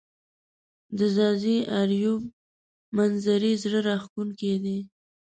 د ځاځي اریوب منظزرې زړه راښکونکې دي